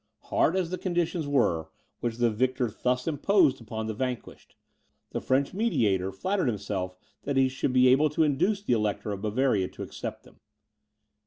Hard as the conditions were, which the victor thus imposed upon the vanquished, the French mediator flattered himself he should be able to induce the Elector of Bavaria to accept them.